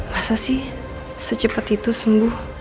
masa sih secepat itu sembuh